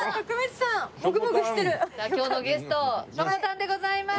さあ今日のゲストしょこたんでございます。